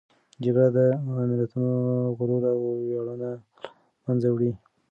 جګړه د ملتونو غرور او ویاړونه له منځه وړي.